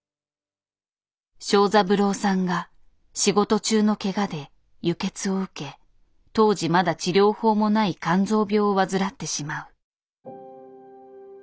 章三郎さんが仕事中のけがで輸血を受け当時まだ治療法もない肝臓病を患ってしまう。